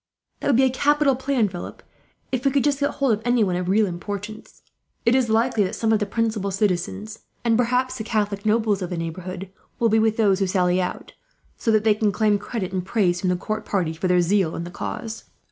"That would be a capital plan, Philip, if we could get hold of anyone of real importance. It is likely some of the principal citizens, and perhaps Catholic nobles of the neighbourhood, will be with those who sally out; so that they can claim credit and praise, from the court party, for their zeal in the cause.